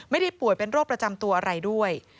ป่วยเป็นโรคประจำตัวอะไรด้วย